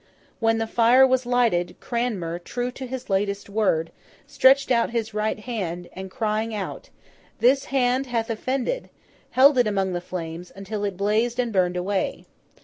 When the fire was lighted, Cranmer, true to his latest word, stretched out his right hand, and crying out, 'This hand hath offended!' held it among the flames, until it blazed and burned away.